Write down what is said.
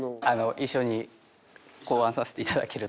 一緒に考案させていただけると。